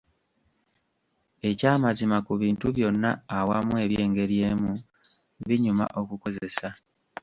Eky'amazima ku bintu byonna awamu eby'engeri emu, binyuma okukozesa.